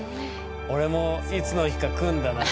俺もいつの日か来んだな。